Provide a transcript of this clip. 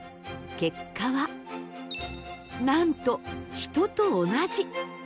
結果はなんと人と同じ！